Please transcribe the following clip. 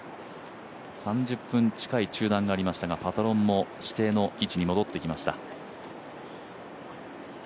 ３０分近い中断になりましたがパトロンも指定の位置に戻ってきました。